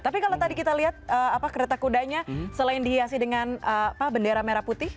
tapi kalau tadi kita lihat kereta kudanya selain dihiasi dengan bendera merah putih